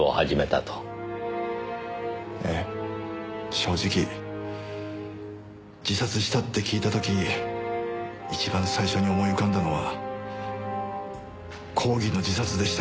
正直自殺したって聞いた時一番最初に思い浮かんだのは抗議の自殺でした。